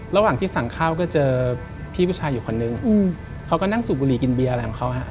ระหว่างที่สั่งข้าวก็เจอพี่ผู้ชายอยู่คนนึงเขาก็นั่งสูบบุหรี่กินเบียร์อะไรของเขาฮะ